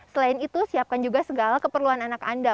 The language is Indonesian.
selain itu siapkan juga segala keperluan anak anda